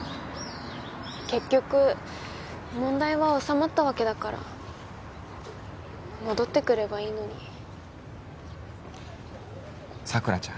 結局問題は収まったわけだから戻ってくればいいのに佐倉ちゃん？